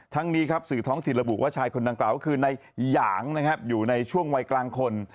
ทั้งนี้สื่อท้องที่ระบุว่าชายคนนั้นกล่าวคือในหย่างอยู่ในช่วงวัยกลางคน